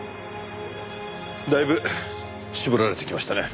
だいぶ絞られてきましたね。